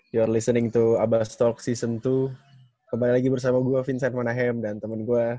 you re listening to abastalk season dua kembali lagi bersama gue vincent monahem dan teman gue